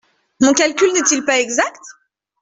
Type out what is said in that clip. Mon calcul n’est-il pas exact ?